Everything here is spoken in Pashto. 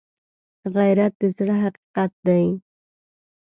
غیرت د زړه حقیقت دی